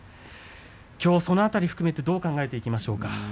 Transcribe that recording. きょうはその辺りを含めてどう考えていきましょうか。